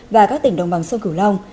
và các tỉnh đồng bằng sông cửu long